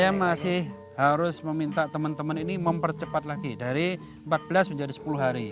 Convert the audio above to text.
saya masih harus meminta teman teman ini mempercepat lagi dari empat belas menjadi sepuluh hari